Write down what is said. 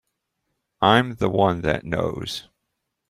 I'm the one that knows.